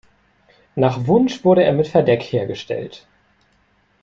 Nach Wunsch wurde er mit Verdeck hergestellt.